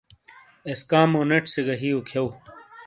ایسکامو نیٹ سے گہ ہِیئو کھیؤ۔